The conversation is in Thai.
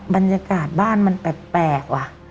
บรรยากาศบ้านมันแปลกแปลกว่ะอ่า